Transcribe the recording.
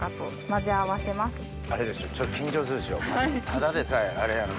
ただでさえあれやのに。